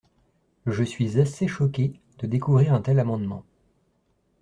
Je suis assez choquée de découvrir un tel amendement.